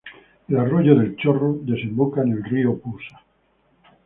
El arroyo del Chorro desemboca en el Río Pusa.